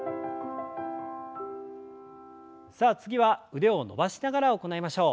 さあ次は腕を伸ばしながら行いましょう。